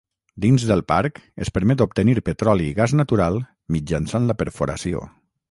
Dins del parc es permet obtenir petroli i gas natural mitjançant la perforació.